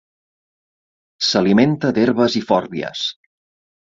S'alimenta d'herbes i fòrbies.